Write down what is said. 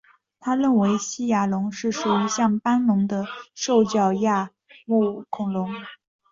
他认为新牙龙是属于像斑龙的兽脚亚目恐龙。